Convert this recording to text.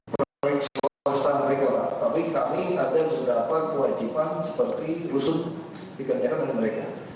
pembangunan rumah susun adalah sebuah kewajiban seperti rusun diperjalanan oleh mereka